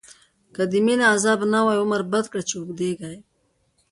که د مینی عذاب نه وی، عمر بد کړی چی اوږدیږی